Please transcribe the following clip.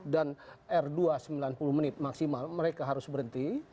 dan r dua sembilan puluh menit maksimal mereka harus berhenti